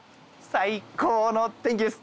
最高の天気です。